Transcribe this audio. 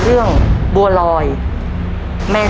เรื่องบัวร้อยนะครับ